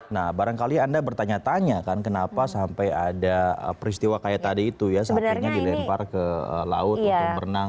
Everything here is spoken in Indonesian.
nah barangkali anda bertanya tanya kan kenapa sampai ada peristiwa kayak tadi itu ya sapinya dilempar ke laut untuk berenang